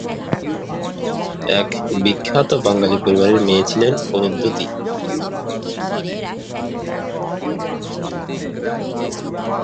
এক বিখ্যাত বাঙালি পরিবারের মেয়ে ছিলেন অরুন্ধতী।